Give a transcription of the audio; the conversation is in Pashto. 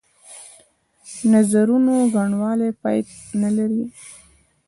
نظرونو ګڼوالی پای نه لري.